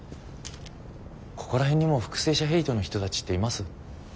ここら辺にも復生者ヘイトの人たちっています？